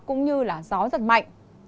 cũng như gió giật mạnh